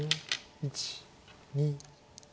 １２。